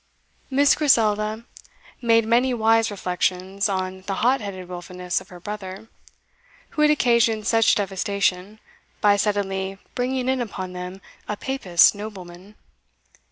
Miss Griselda made many wise reflections on the hot headed wilfulness of her brother, who had occasioned such devastation, by suddenly bringing in upon them a papist nobleman.